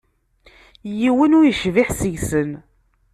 Yiwen ur yecbiḥ seg-sen.